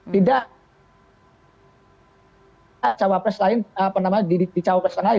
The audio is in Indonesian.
tidak cawapres lain apa namanya di cawapres kan lain